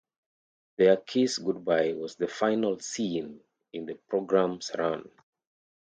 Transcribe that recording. Their kiss goodbye was the final scene in the program's run.